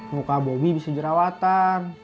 muka bobby bisa jerawatan